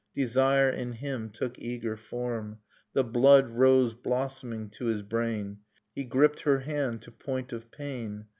Desire in him took eager form, The blood rose blossoming to his brain. He gripped her hand to point of pain.